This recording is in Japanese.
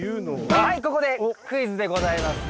はいここでクイズでございます。